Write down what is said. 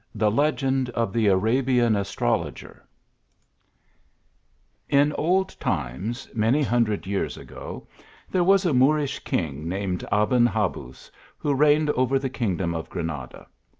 THE LEGEND OF THE ARABIAN ASTROLOGER IN old times, many hundred years ago, there was a Moorish king named Aben Kabuz, who reigned over the kingdom of Granada.